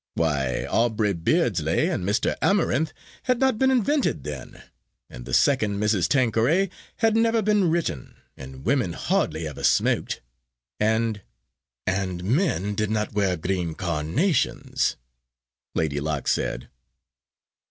Why, Aubrey Beardsley and Mr. Amarinth had not been invented then, and 'The Second Mrs. Tanqueray' had never been written, and women hardly ever smoked, and " "And men did not wear green carnations," Lady Locke said.